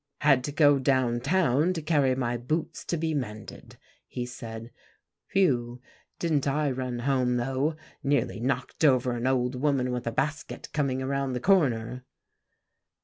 "Had to go down town to carry my boots to be mended," he said. "Whew, didn't I run home, though! Nearly knocked over an old woman with a basket coming around the corner."